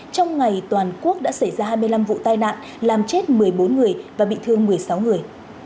trong ngày toàn quốc đã xảy ra hai mươi năm vụ tai nạn làm chết một mươi bốn người và bị thương một mươi sáu người